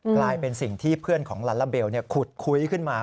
กลายเป็นสิ่งที่เพื่อนของลาลาเบลขุดคุยขึ้นมา